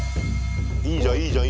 いいじゃん、いいじゃん。